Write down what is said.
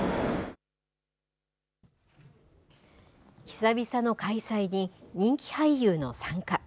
久々の開催に、人気俳優の参加。